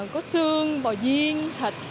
có xương bò diên thịt